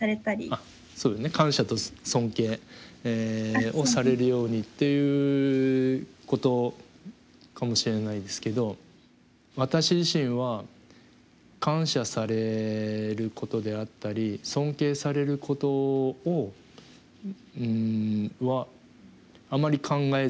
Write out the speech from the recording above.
あっそうだね感謝と尊敬をされるようにっていうことかもしれないですけど私自身は感謝されることであったり尊敬されることはあまり考えずに。